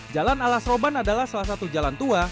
jalan ala seroban adalah salah satu jalan tua